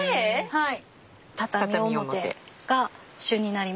はい。